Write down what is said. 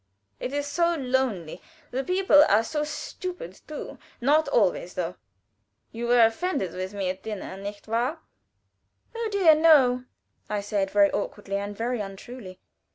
It is so lonely. The people are so stupid too not always though. You were offended with me at dinner, nicht wahr?" "Oh, dear, no!" said I, very awkwardly and very untruly.